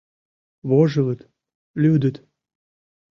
Вожылыт, лӱдыт.